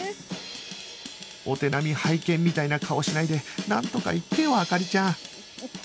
お手並み拝見みたいな顔しないでなんとか言ってよ灯ちゃん